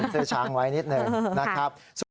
เซ็นเซอร์ช้างไว้นิดหนึ่งนะครับ